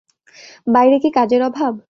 বাইরে কি কাজের অভাব।